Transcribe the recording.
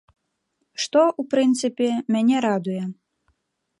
Што, у прынцыпе, мяне радуе.